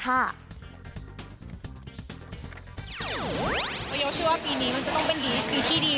โยเชื่อว่าปีนี้มันจะต้องเป็นดีปีที่ดี